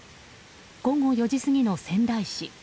午後４時過ぎの仙台市。